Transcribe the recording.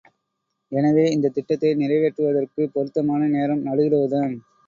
எனவே இந்தத் திட்டத்தை நிறைவேற்றுவதற்குப் பொருத்தமான நேரம் நடு இரவுதான்.